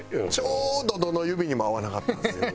ちょうどどの指にも合わなかったんですよ。